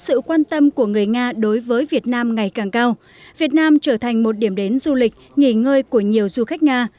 sự quan tâm của người nga đối với việt nam ngày càng cao việt nam trở thành một điểm đến du lịch nghỉ ngơi của nhiều du khách nga